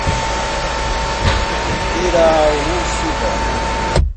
Irauçuba